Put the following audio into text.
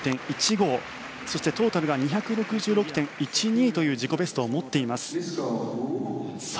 そして、トータルが２６６．１２という自己ベストを持っています。